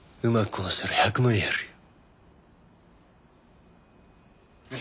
うまくこなしたら１００万やるよ。